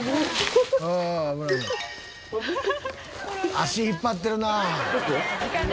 足引っ張ってるな。